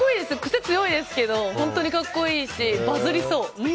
癖強いですけど本当に格好いいしバズりそう。